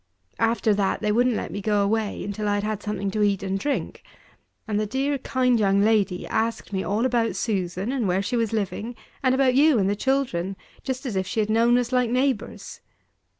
After that, they wouldn't let me go away till I had had something to eat and drink; and the dear, kind young lady asked me all about Susan, and where she was living, and about you and the children, just as if she had known us like neighbours.